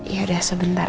ya udah sebentar